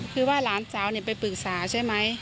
คือว่าหลานสาวไปปรึกษาใช่ไหม